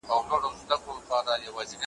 د سر خیرات به مي پانوس ته وي در وړی وزر ,